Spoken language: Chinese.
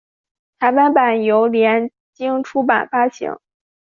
台湾版由联经出版发行。